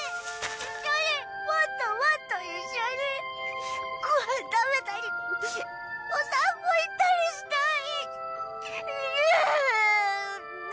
一緒にもっともっと一緒にご飯食べたりお散歩行ったりしたい。